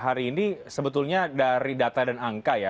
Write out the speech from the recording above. hari ini sebetulnya dari data dan angka ya